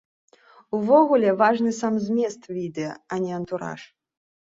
Увогуле, важны сам змест відэа, а не антураж.